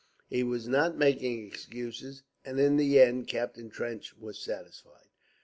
He was not making excuses, and in the end Captain Trench was satisfied.